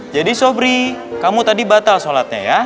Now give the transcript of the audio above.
jadi sobri kamu tadi batal sholatnya ya